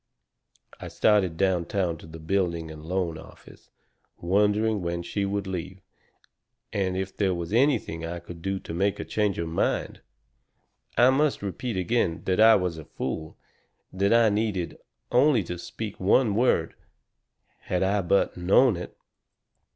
I started downtown to the building and loan office, wondering when she would leave, and if there was anything I could do to make her change her mind. I must repeat again that I was a fool that I needed only to speak one word, had I but known it.